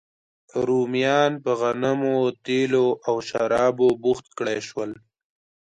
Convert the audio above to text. رومیان په غنمو، تېلو او شرابو بوخت کړای شول